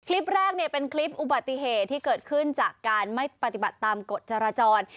คลิปแรกเนี่ยเป็นคลิปอุบัติเหตุที่เกิดขึ้นจากการไม่ปฏิบัติตามกฎจราจร